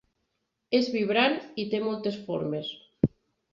És vibrant i té moltes formes.